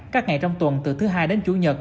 các ngày trong tuần từ thứ hai đến chủ nhật